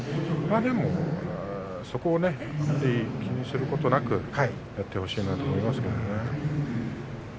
まあでもそこは気にすることなくやってほしいなと思いますね。